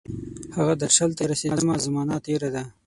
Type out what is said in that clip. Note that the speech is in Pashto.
هغه درشل ته رسیدمه، زمانه تیره ده